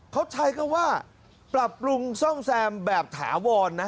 เขาใช้คำว่าปรับปรุงซ่อมแซมแบบถาวรนะ